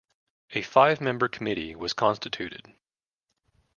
A five-member committee was constituted.